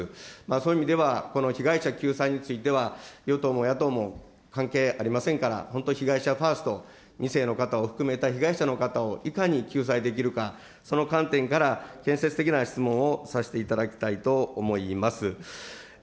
そういう意味では、この被害者救済については、与党も野党も関係ありませんから、本当、被害者ファースト、２世の方を含めた被害者の方をいかに救済できるか、その観点から建設的な質問をさせていただきたいと思います。